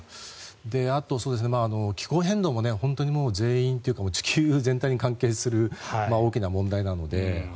あと、気候変動も本当にもう、全員というか地球全体に関係する大きな問題なので。